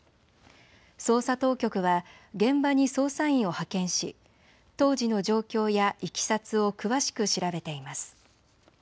捜査当局は現場に捜査員を派遣し当時の状況やいきさつを詳しく調べています。